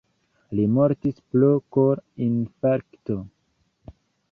Li mortis pro kor-infarkto.